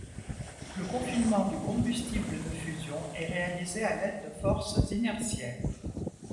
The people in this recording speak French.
Le confinement du combustible de fusion est réalisé à l'aide de forces inertielles.